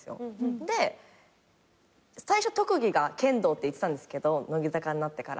で最初特技が剣道って言ってたんですけど乃木坂になってからも。